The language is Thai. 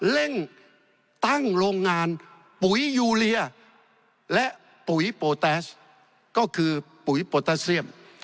เร่งตั้งโรงงานปุ๋ยยูเรียและปุ๋ยโปรแตสก็คือปุ๋ยโปรตาเซียม